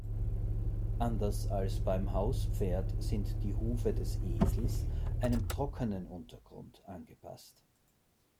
Anders als beim Hauspferd sind die Hufe des Esels einem trockenen Untergrund angepasst.